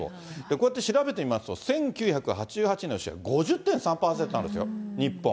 こうやって調べてみますと、１９８８年のシェア、５０．３％あるんですよ、日本。